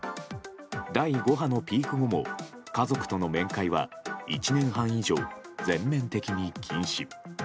第５波のピーク後も家族との面会は１年半以上、全面的に禁止。